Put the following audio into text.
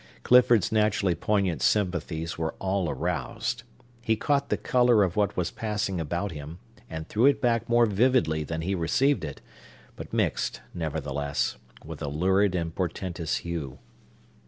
Clifford's naturally poignant sympathies were all aroused. He caught the color of what was passing about him, and threw it back more vividly than he received it, but mixed, nevertheless, with a lurid and portentous hue.